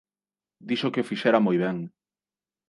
Dixo que o fixera moi ben.